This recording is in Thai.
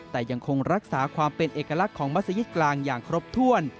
แต่ยังคงรักษาความเป็นเอกลักษณ์ของมัศยิตกลางอย่างครบถ้วน